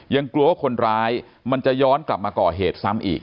กลัวว่าคนร้ายมันจะย้อนกลับมาก่อเหตุซ้ำอีก